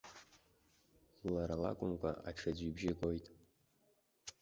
Лара лакәымкәа аҽаӡә ибжьы гоит.